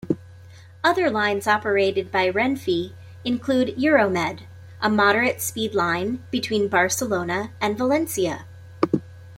Other lines operated by Renfe include Euromed, a moderate-speed line between Barcelona and Valencia.